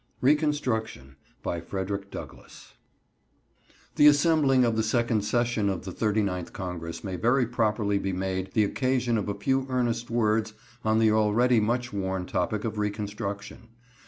Reconstruction The assembling of the Second Session of the Thirty ninth Congress may very properly be made the occasion of a few earnest words on the already much worn topic of reconstruction.